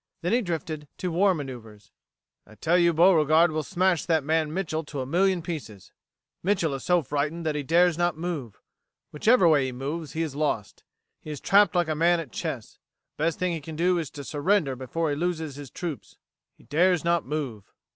Then he drifted to war manoeuvers: "I tell you, Beauregard will smash that man Mitchel to a million pieces. Mitchel is so frightened that he dares not move. Whichever way he moves, he is lost. He is trapped like a man at chess. The best thing he can do is to surrender before he loses his troops. He dares not move."